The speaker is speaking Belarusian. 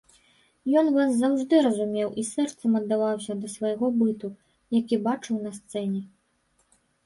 Ён вас заўжды разумеў і сэрцам аддаваўся да свайго быту, які бачыў на сцэне.